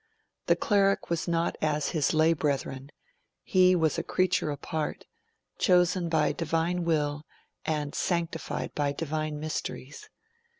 The cleric was not as his lay brethren; he was a creature apart, chosen by Divine will and sanctified by Divine mysteries.